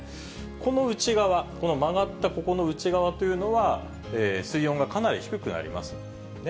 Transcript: この内側、この曲がったここの内側というのは、水温がかなり低くなりますのでね、